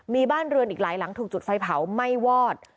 มีบ้านเรือนอีกหลายหลังถูกจุดไฟเผาไม่วอด